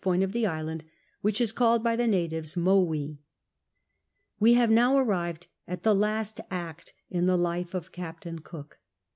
point of the island, which is called by the natives Mowwee. We have now arrived at the last act in the life of Captain Cook.